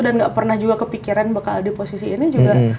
dan gak pernah juga kepikiran bakal ada posisi ini juga